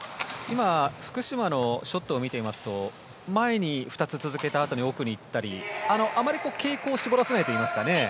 福島のショットを見てみますと前に２つ続けたあとに奥に行ったりあまり傾向を絞らせないといいますか。